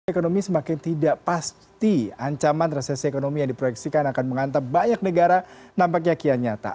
ekonomi semakin tidak pasti ancaman resesi ekonomi yang diproyeksikan akan menghantam banyak negara nampaknya kian nyata